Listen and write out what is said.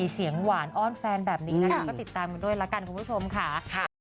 เสียงหวานอ้อนแฟนแบบนี้นะคะก็ติดตามกันด้วยละกันคุณผู้ชมค่ะ